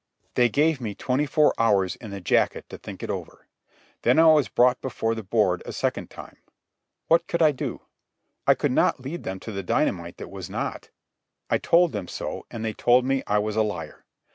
They gave me twenty four hours in the jacket to think it over. Then I was brought before the Board a second time. What could I do? I could not lead them to the dynamite that was not. I told them so, and they told me I was a liar.